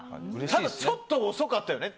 ただ、ちょっと遅かったよね。